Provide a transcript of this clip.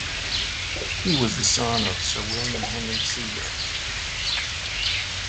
He was the son of Sir William Henry Seager.